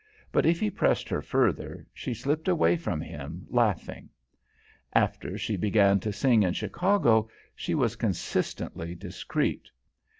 But if he pressed her further, she slipped away from him, laughing. After she began to sing in Chicago, she was consistently discreet.